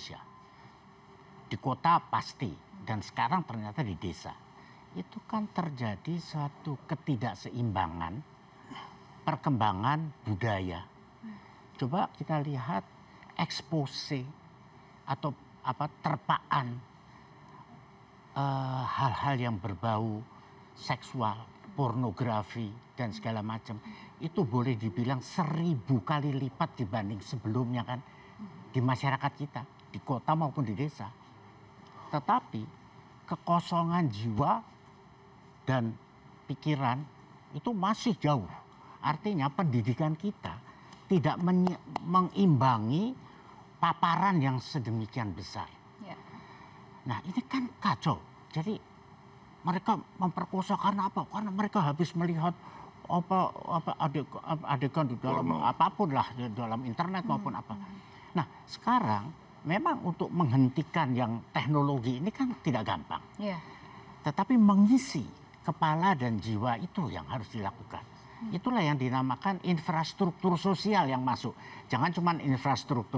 siapa ini yang bertanggung jawab kita semua